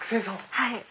はい。